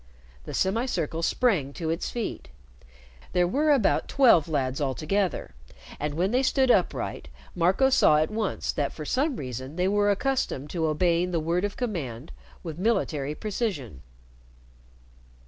The semicircle sprang to its feet. There were about twelve lads altogether, and, when they stood upright, Marco saw at once that for some reason they were accustomed to obeying the word of command with military precision.